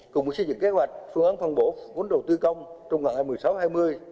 cùng với xây dựng kế hoạch phương án phân bổ vốn đồ tư công trong ngàn ngày một mươi sáu hai mươi